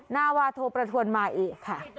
นาวาโทประทวนมาเองค่ะ